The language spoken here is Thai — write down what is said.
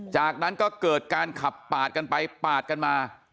จากนั้นก็เกิดการขับปาดกันไปปาดกันมา